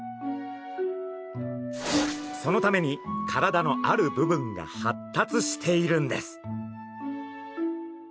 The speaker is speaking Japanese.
そのために体のある部分が発達しているんです。